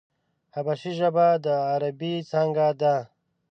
حبشي ژبه د عربي څانگه ده.